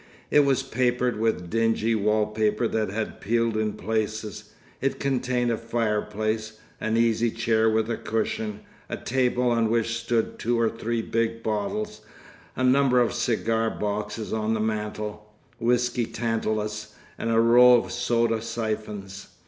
It was papered with dingy wall paper that had peeled in places; it contained a fireplace, an easy chair with a cushion, a table on which stood two or three big bottles, a number of cigar boxes on the mantel, whisky Tantalus and a row of soda syphons.